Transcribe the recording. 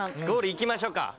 ゴールいきましょうか。